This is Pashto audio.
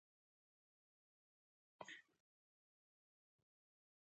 مخ ته یې وغوړاوه.